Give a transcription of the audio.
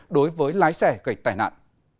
đối với lái xe gạch tai nạn